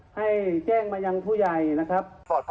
ให้แจ้งมายังผู้ใหญ่นะครับ